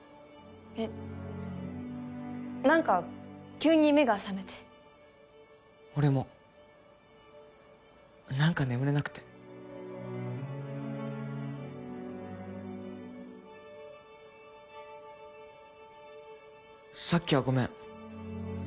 えっ何か急に目が覚めて俺も何か眠れなくてさっきはごめん